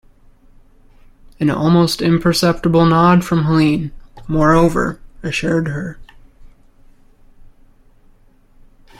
An almost imperceptible nod from Helene, moreover, assured her.